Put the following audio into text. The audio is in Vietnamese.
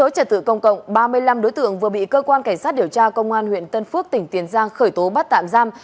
trở tự công cộng ba mươi năm đối tượng vừa bị cơ quan cảnh sát điều tra công an huyện tân phước tỉnh tiền giang khởi tố bắt tạm giam